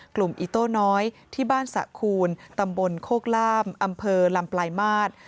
อิโต้น้อยที่บ้านสะคูณตำบลโคกล่ามอำเภอลำปลายมาตร